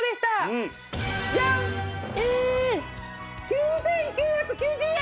９９９０円！